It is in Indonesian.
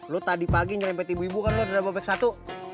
lo tadi pagi nyerempet ibu ibu kan lo udah bapek satu